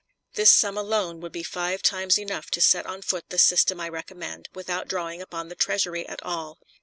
This sum alone would be five times enough to set on foot the system I recommend, without drawing upon the Treasury at all.